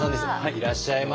いらっしゃいませ。